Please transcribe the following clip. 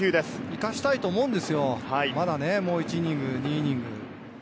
行かせたいと思うんですよ、まだもう１イニング、２イニング。